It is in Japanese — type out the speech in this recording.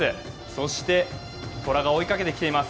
そして、虎が追いかけてきています